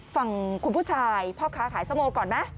ฝั่งคุณผู้ชายพ่อค้าขายสโมก่อนไหม